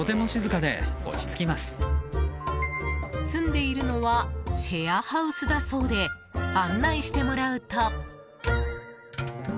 住んでいるのはシェアハウスだそうで案内してもらうと。